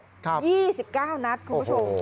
ครับคุณผู้ชมยี่สิบเก้านัดคุณผู้ชมโอ้โฮ